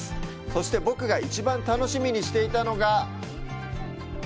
そして、僕が一番楽しみにしていたのが？